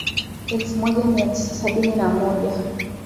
Elfu moja mia tisa sabini na moja